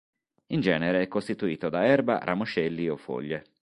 In genere è costituito da erba, ramoscelli o foglie.